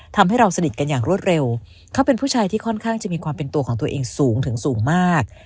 ทำให้เราสนิทกันอย่างรวดเร็วเขาเป็นผู้ชายที่ค่อนข้างจะมีความเป็นตัวของตัวเองสูงถึงสูงมาก